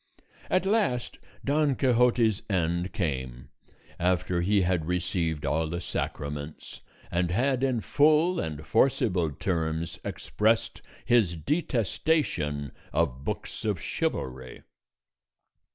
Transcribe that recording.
At last Don Quixote's end came, after he had received all the sacraments, and had in full and forcible terms expressed his detestation of books of chivalry.